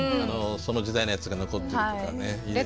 その時代のやつが残ってるとかね。